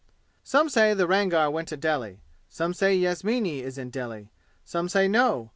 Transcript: Some say the Rangar went to Delhi. Some say Yasmini is in Delhi. Some say no.